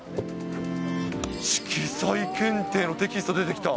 色彩検定のテキスト出てきた。